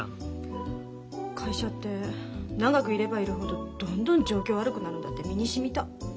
会社って長くいればいるほどどんどん状況悪くなるんだって身にしみた。